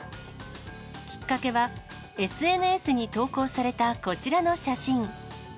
きっかけは、ＳＮＳに投稿された、こちらの写真。